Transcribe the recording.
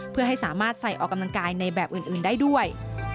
เพื่อให้สามารถใส่ออกกำลังกายในแบบอื่นได้ด้วย